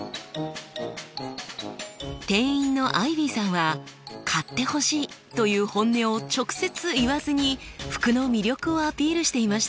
店員のアイビーさんは買ってほしいという本音を直接言わずに服の魅力をアピールしていました。